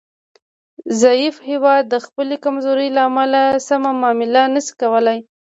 ضعیف هیواد د خپلې کمزورۍ له امله سمه معامله نشي کولای